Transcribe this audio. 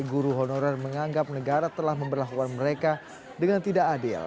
guru honorer menganggap negara telah memperlakukan mereka dengan tidak adil